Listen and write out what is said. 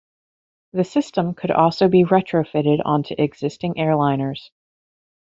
The system could also be retrofitted onto existing airliners.